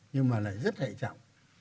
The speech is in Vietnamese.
nhưng mà lại rất hệ trọng